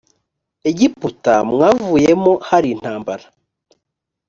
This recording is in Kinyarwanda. egiputa mwavuyemo hari intambara